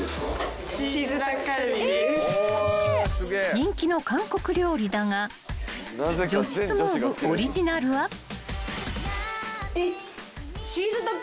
［人気の韓国料理だが女子相撲部オリジナルは］えっ？